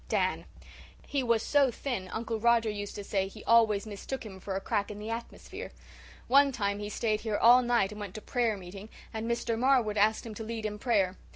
DAN: "He was so thin Uncle Roger used to say he always mistook him for a crack in the atmosphere. One time he stayed here all night and went to prayer meeting and Mr. Marwood asked him to lead in prayer.